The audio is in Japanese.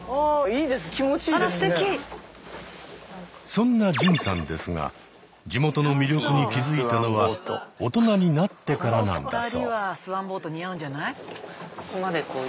そんな純さんですが地元の魅力に気付いたのは大人になってからなんだそう。